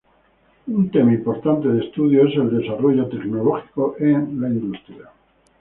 Un tema importante de estudio es el desarrollo tecnológico en la industria.